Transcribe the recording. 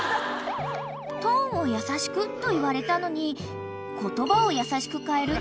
［トーンを優しくと言われたのに言葉を優しく変える］